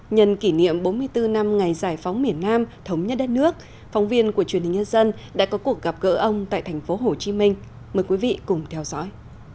nhân kỷ niệm bốn mươi bốn năm ngày giải phóng miền nam thống nhất đất nước phóng viên của truyền hình nhân dân đã có cuộc gặp gỡ ông tại thành phố hồ chí minh mời quý vị cùng theo dõi